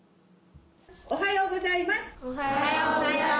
おはようございます。